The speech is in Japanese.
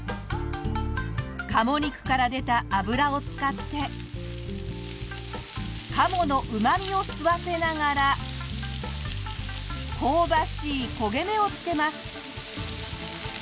鴨肉から出た脂を使って鴨のうまみを吸わせながら香ばしい焦げ目をつけます。